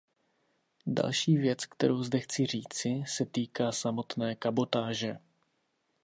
Další věc, kterou zde chci říci, se týká samotné kabotáže.